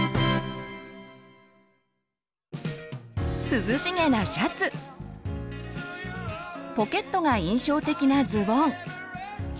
涼しげなシャツポケットが印象的なズボン